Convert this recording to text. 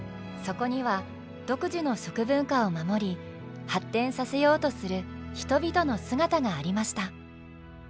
そこには独自の食文化を守り発展させようとする人々の姿がありました。